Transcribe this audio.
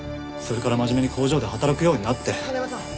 それから真面目に工場で働くようになって。